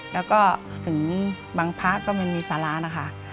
แล้วก็ถึงบางพระก็ไม่มีสาระนะคะ